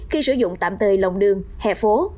khi sử dụng tạm thời lòng đường hẹp phố